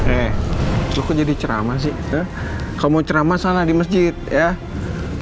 eh lu kok jadi ceramah sih kau mau ceramah salah di masjid ya